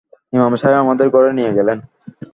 ইমাম সাহেব আমাদের ঘরে নিয়ে গেলেন।